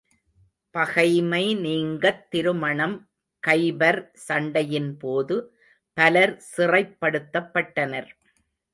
பகைமை நீங்கத் திருமணம் கைபர் சண்டையின் போது, பலர் சிறைப்படுத்தப் பட்டனர்.